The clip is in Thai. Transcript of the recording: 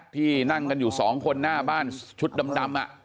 ที่นั่งกันอยู่๒คนหน้าบ้านชุดดำ